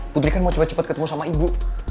putri kan mau cepat cepat ketemu sama ibu